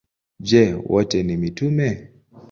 Je, wote ni mitume?